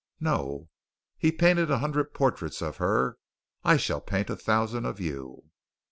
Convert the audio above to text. "No." "He painted a hundred portraits of her. I shall paint a thousand of you."